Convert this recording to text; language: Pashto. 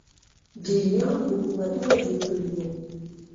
دیلمیان حکومتونه جوړ کړي وو